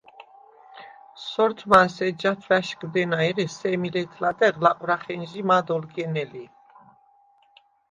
სორთმანს ეჯჟ’ ათვა̈შგდენა, ერე სემ ლეთ-ლადეღ ლაყვრახენჟი მად ოლგენელი.